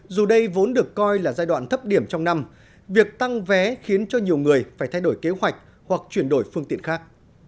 dù đây vốn được coi là giai đoạn thấp điểm trong năm việc tăng vé khiến cho nhiều người phải thay đổi kế hoạch hoặc chuyển đổi phương tiện khác